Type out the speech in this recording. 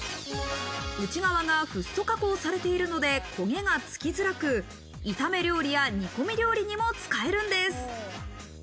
内側がフッ素加工されているので、焦げがつきづらく、炒め料理や煮込み料理にも使えるんです。